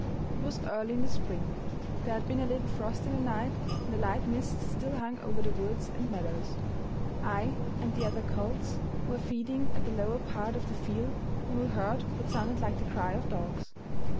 It was early in the spring; there had been a little frost in the night, and a light mist still hung over the woods and meadows. I and the other colts were feeding at the lower part of the field when we heard what sounded like the cry of dogs.